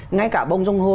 ngay cả bông dông hô